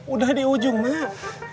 udah di ujung mak